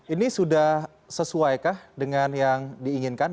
ini sudah sesuaikah dengan yang diinginkan